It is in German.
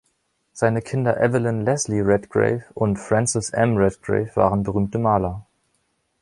Seine Kinder Evelyn Leslie Redgrave und Frances M Redgrave waren berühmte Maler.